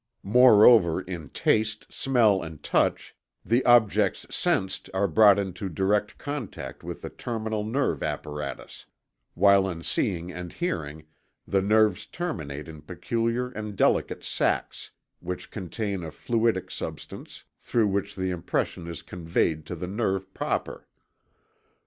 Moreover in taste, smell and touch the objects sensed are brought into direct contact with the terminal nerve apparatus, while in seeing and hearing the nerves terminate in peculiar and delicate sacs which contain a fluidic substance through which the impression is conveyed to the nerve proper.